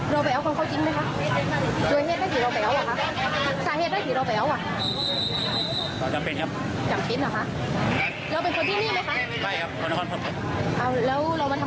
แล้วเรามาทำมาที่นี่หรือว่าอย่างไรครับ